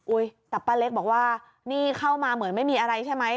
แต่ป้าเล็กบอกว่านี่เข้ามาเหมือนไม่มีอะไรใช่ไหม